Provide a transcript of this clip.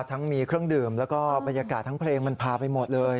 ทั้งมีเครื่องดื่มแล้วก็บรรยากาศทั้งเพลงมันพาไปหมดเลย